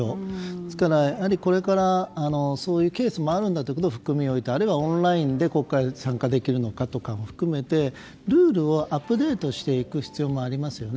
ですからこれから、そういうケースもあるんだということを含めてあるいはオンラインで国会に参加できるのかということも含めてルールをアップデートしていく必要もありますよね。